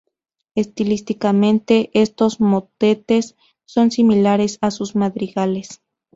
Estilísticamente estos motetes son similares a sus madrigales.